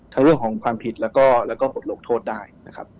ทั้งเรื่องของความผิดแล้วก็หลบโหดโทษได้นะครับ